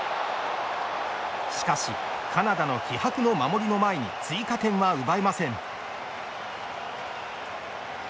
しかしカナダの気迫の守りの前に追加点は奪えません。